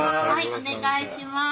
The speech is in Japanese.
お願いします